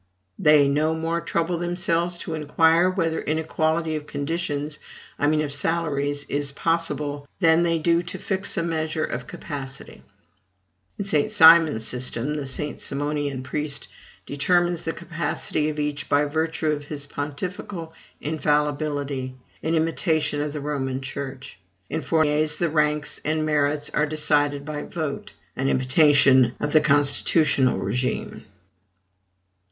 They no more trouble themselves to inquire whether inequality of conditions I mean of salaries is possible, than they do to fix a measure of capacity. In St. Simon's system, the St. Simonian priest determines the capacity of each by virtue of his pontifical infallibility, in imitation of the Roman Church: in Fourier's, the ranks and merits are decided by vote, in imitation of the constitutional regime.